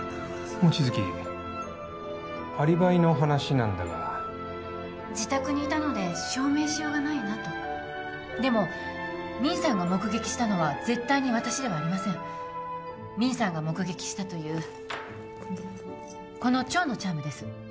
望月アリバイの話なんだが自宅にいたので証明しようがないなとでもミンさんが目撃したのは絶対に私ではありませんミンさんが目撃したというこの蝶のチャームです